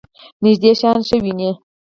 نږدې شیان ښه وینئ؟